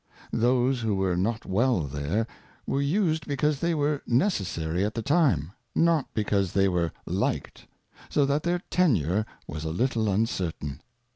Those who were not well there, were used because they were necessary at the time, not because they were liked ; so that their Tenure was a little uncertain.